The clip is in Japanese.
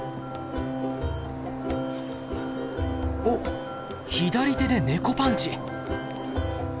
おっ左手でネコパンチ。